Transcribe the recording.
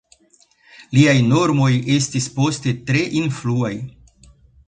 Liaj normoj estis poste tre influaj.